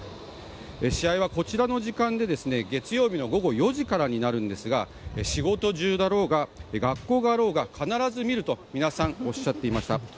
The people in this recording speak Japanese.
試合はこちらの時間で、月曜の午後４時からになるんですが仕事中だろうが学校だろうが必ず見ると皆さん、おっしゃっていました。